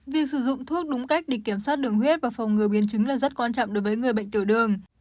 việc sử dụng thuốc đúng cách để kiểm soát đường huyết và phòng ngừa biến chứng là rất quan trọng đối với người bệnh tiểu đường